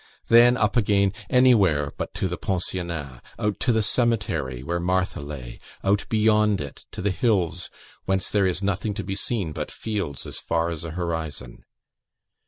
Then up again anywhere but to the pensionnat out to the cemetery where Martha lay out beyond it, to the hills whence there is nothing to be seen but fields as far as the horizon.